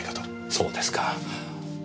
そうですか。